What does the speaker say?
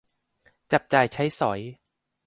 จับจ่ายใช้สอย